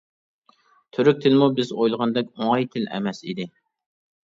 تۈرك تىلىمۇ بىز ئويلىغاندەك ئوڭاي تىل ئەمەس ئىدى.